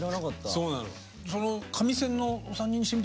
そうなの。